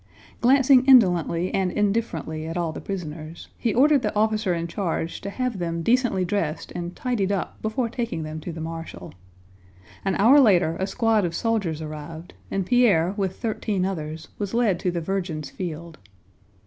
Glancing indolently and indifferently at all the prisoners, he ordered the officer in charge to have them decently dressed and tidied up before taking them to the marshal. An hour later a squad of soldiers arrived and Pierre with thirteen others was led to the Virgin's Field.